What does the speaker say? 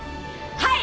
はい！